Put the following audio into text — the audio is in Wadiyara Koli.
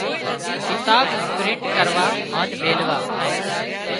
ڪتاب پرنٽ ڪروا هانَ ميلوا۔